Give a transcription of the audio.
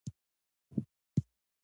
مور د ماشوم د خوب وخت تنظيموي.